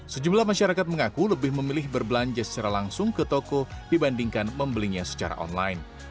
sejumlah masyarakat mengaku lebih memilih berbelanja secara langsung ke toko dibandingkan membelinya secara online